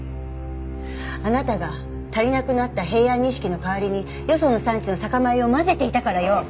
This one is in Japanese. あなたが足りなくなった平安錦の代わりによその産地の酒米を混ぜていたからよ！